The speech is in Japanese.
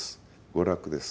娯楽です。